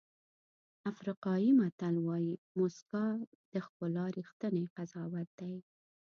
افریقایي متل وایي موسکا د ښکلا ریښتینی قضاوت دی.